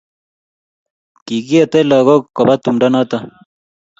kikiete lagok koba tumdo noto